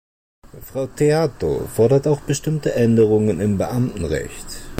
Frau Theato fordert auch bestimmte Änderungen im Beamtenrecht.